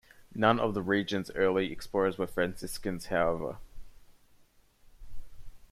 None of the region's early explorers were Franciscans, however.